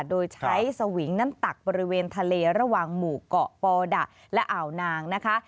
โดยใช้สวิงนั้นตักบริเวณทะเลระหว่างหมู่เกาะปอดะและอ่าวนางนะคะ